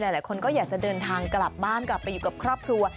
หลายคนก็อยากจะเดินทางกลับบ้านกลับไปอยู่กับครอบครัว